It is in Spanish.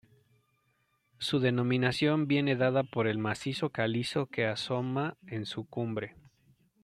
Su denominación viene dada por el macizo calizo que asoma en su cumbre.